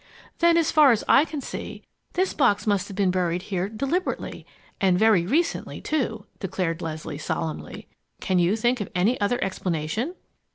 "Then, as far as I can see, this box must have been buried here deliberately and very recently, too!" declared Leslie, solemnly. "Can you think of any other explanation?"